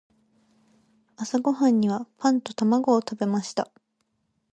朝ごはんにはパンと卵を食べました。